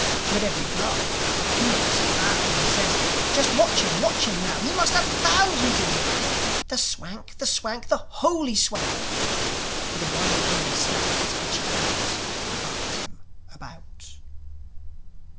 But every Glug, he makes his bow, And says, "Just watch him! Watch him now! He must have thousands in the bank! The Swank! The Swank! The holy Swank!" But the wild winds snatch his kerchief out, And buffet him about.